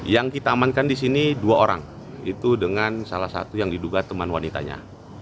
yang kita amankan di sini dua orang itu dengan salah satu yang diduga teman wanitanya